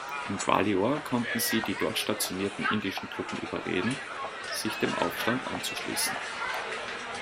In Gwalior konnten sie die dort stationierten indischen Truppen überreden, sich dem Aufstand anzuschließen.